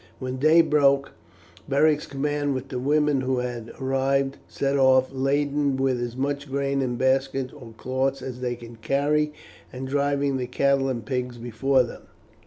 When day broke, Beric's command, with the women who had arrived, set off laden with as much grain in baskets or cloths as they could carry, and driving the cattle and pigs before them.